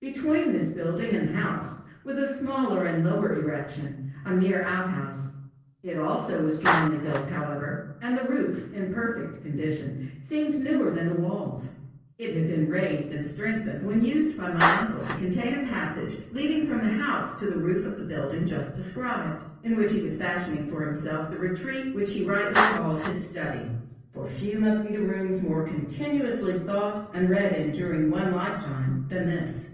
Between this building and the house was a smaller and lower erection, a mere out house. It also was strongly built, however, and the roof, in perfect condition, seemed newer than the walls: it had been raised and strengthened when used by my uncle to contain a passage leading from the house to the roof of the building just described, in which he was fashioning for himself the retreat which he rightly called his study, for few must be the rooms more continuously thought and read in during one lifetime than this.